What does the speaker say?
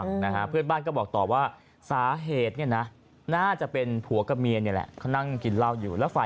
น่าจะประมาณหมดหลายเพลงนึงแหละครับหลัง๔แสนได้